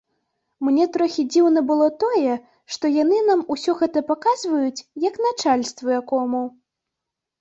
Мне трохі дзіўна было тое, што яны нам усё гэта паказваюць, як начальству якому.